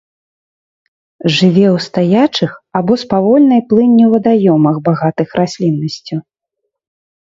Жыве ў стаячых або з павольнай плынню вадаёмах, багатых расліннасцю.